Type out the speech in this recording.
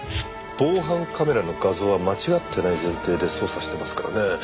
防犯カメラの画像は間違ってない前提で捜査してますからね。